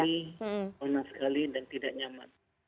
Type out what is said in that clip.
ini panas sekali dan tidak nyaman